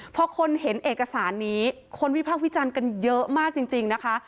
พอคนเห็นเอกสารนี้คนวิพากษ์วิจารณ์กันเยอะมากจริงนะคะ